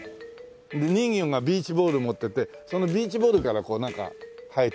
人魚がビーチボール持っててそのビーチボールからなんか生えてるみたいな。